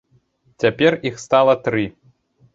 Цяпер іх стала тры.